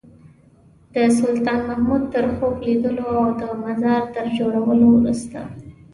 د سلطان محمود تر خوب لیدلو او د مزار تر جوړولو وروسته.